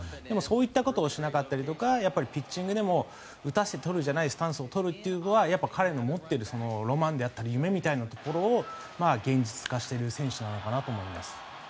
でも、そういったことをしなかったりとかピッチングでも打たせて取るじゃないスタンスを取るというのは彼が持っている夢とかロマンみたいなものを現実化している選手なのかなと思います。